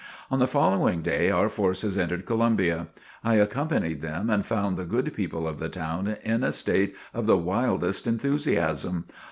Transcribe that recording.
On the following day our forces entered Columbia. I accompanied them and found the good people of the town in a state of the wildest enthusiasm.